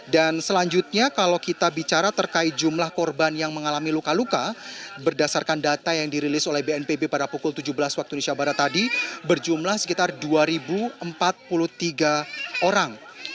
dan selanjutnya kalau kita bicara terkait jumlah korban yang mengalami luka luka berdasarkan data yang dirilis oleh bnpb pada pukul tujuh belas waktu di sabara tadi berjumlah sekitar dua empat puluh tiga orang